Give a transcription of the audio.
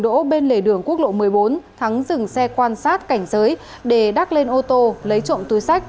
để đường quốc lộ một mươi bốn thắng dừng xe quan sát cảnh giới để đắc lên ô tô lấy trộm túi sách